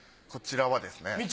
こちらはですね。